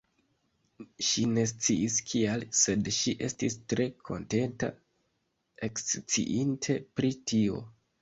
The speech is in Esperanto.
Ŝi ne sciis kial, sed ŝi estis tre kontenta, eksciinte pri tio.